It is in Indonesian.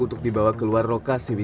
untuk dibawa keluar lokasi